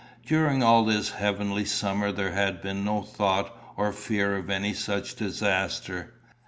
During all this heavenly summer there had been no thought or fear of any such disaster.